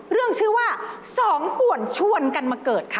เรื่องชื่อว่าสองป่วนชวนกันมาเกิดค่ะ